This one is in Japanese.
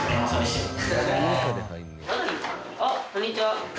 あっこんにちは。